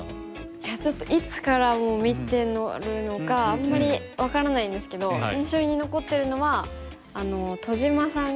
いやちょっといつから見てるのかあんまり分からないんですけど印象に残ってるのは戸島さんが。